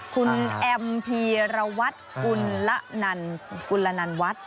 คุณแอมพีรวัตน์คุณละนันวัตน์